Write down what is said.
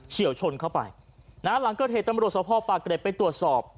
เฉียวชนเข้าไปนะฮะหลังเกิดเหตุตำรวจสภปากเกร็ดไปตรวจสอบ